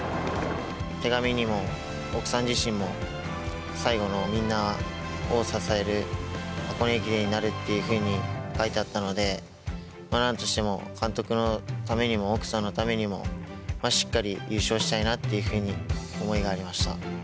手紙にも、奥さん自身も最後のみんなを支える箱根駅伝になるっていうふうに書いてあったので、なんとしても、監督のためにも、奥さんのためにも、しっかり優勝したいなというふうに思いがありました。